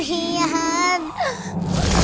oh lihat dulu